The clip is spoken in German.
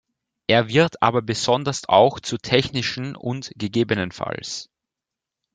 Er wird aber besonders auch zur technischen und ggf.